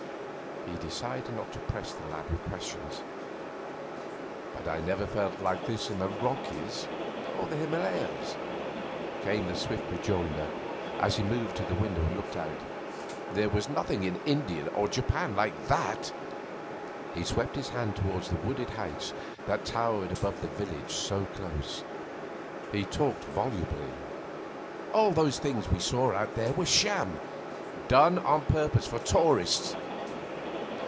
He decided not to press the lad with questions. 'But I never felt like this in the Rockies or the Himalayas,' came the swift rejoinder, as he moved to the window and looked out. 'There was nothing in India or Japan like that!' He swept his hand towards the wooded heights that towered above the village so close. He talked volubly. 'All those things we saw out there were sham done on purpose for tourists.